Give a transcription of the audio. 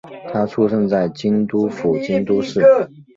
她出生在京都府京都市。